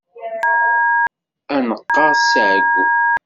Ad neqqerṣ si ɛeggu.